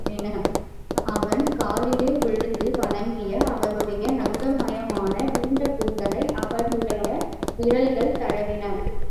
அவன் காலிலே விழுந்து வணங்கிய அவளுடைய தங்கமயமான நீண்ட கூந்தலை அவனுடைய விரல்கள் தடவின.